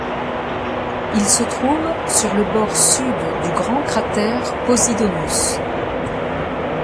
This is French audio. Il se trouve sur le bord sud du grand cratère Posidonius.